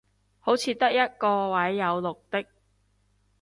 好似得一個位有綠的